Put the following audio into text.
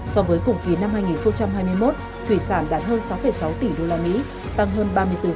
so với cùng kỳ năm hai nghìn hai mươi một thủy sản đạt hơn sáu sáu tỷ usd tăng hơn ba mươi bốn